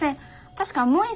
確かもう１